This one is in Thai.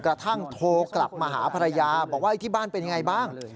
กระทั่งโทรกลับมาหาภรรยาบอกว่าที่บ้านเป็นไงบ้าง